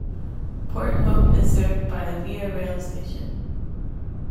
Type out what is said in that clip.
Port Hope is served by a Via Rail station.